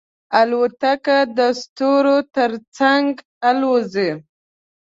الوتکه د ستورو تر څنګ الوزي.